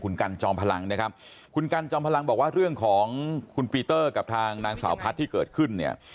คุณกันจอมพลังนะครับคุณกันจอมพลังบอกว่าเรื่องของคุณปีเตอร์กับทางนางสาวพัฒน์ที่เกิดขึ้นเนี่ย